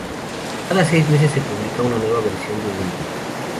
Cada seis meses se publica una nueva versión de Ubuntu.